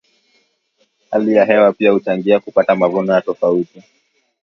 hali ya hewa pia huchangia kupata mavuno ya tofauti